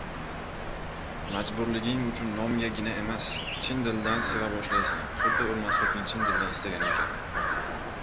Majburliging uchun nomigagina emas, chin dildan seva boshlaysan huddi oʻlmaslikni chin dildan istaganing kabi.